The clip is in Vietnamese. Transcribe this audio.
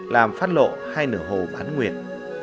làm phát lộ hai nửa hồ bán nguyệt